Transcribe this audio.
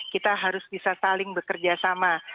kita harus bisa saling bekerja sama